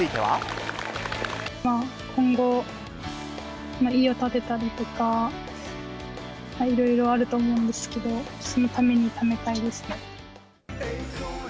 今後、家を建てたりとか、いろいろあると思うんですけど、そのために貯めたいです。